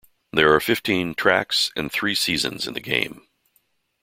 There are fifteen tracks and three seasons in the game.